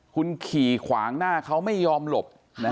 คุณขี่ขวางหน้าเขาไม่ยอมหลบ